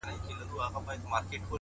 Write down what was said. شپه چي تياره سي ،رڼا خوره سي،